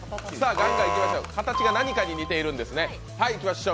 ガンガンいきましょう、形が何かに似てるんですね。